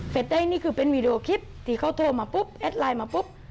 ได้นี่คือเป็นวีดีโอคลิปที่เขาโทรมาปุ๊บแอดไลน์มาปุ๊บ